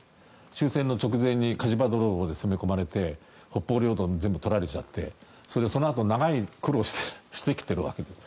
終戦の直前に火事場泥棒で攻め込まれて北方領土、全部取られちゃってそのあと長い苦労をしてきているわけです。